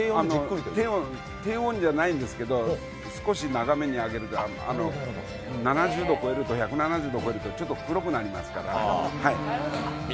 低温じゃないんですけど少し長めに揚げて１７０度を超えるとちょっと黒くなりますから。